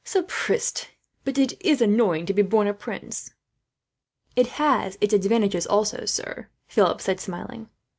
Sapristie, but it is annoying to be born a prince." "It has its advantages also, sir," Philip said, smiling.